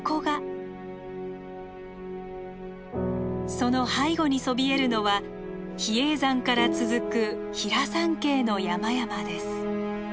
その背後にそびえるのは比叡山から続く比良山系の山々です。